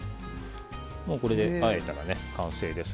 これであえたら完成です。